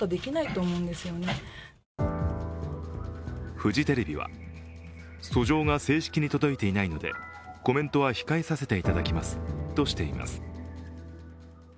フジテレビは訴状が正式に届いていないのでコメントは控えさせていただきますとしています。